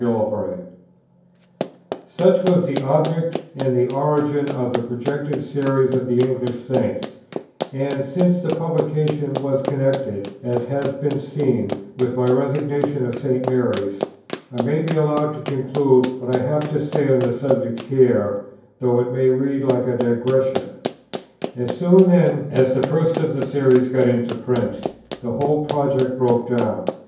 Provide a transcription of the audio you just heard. Such was the object and the origin of the projected Series of the English Saints; and, since the publication was connected, as has been seen, with my resignation of St. Mary's, I may be allowed to conclude what I have to say on the subject here, though it may read like a digression. As soon then as the first of the Series got into print, the whole project broke down.